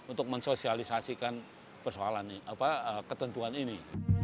untuk mensosialisasikan persoalan ketentuan ini